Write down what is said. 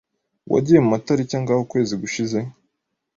Wagiye mu matariki angahe ukwezi gushize?